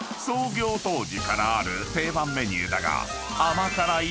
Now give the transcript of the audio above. ［創業当時からある定番メニューだが］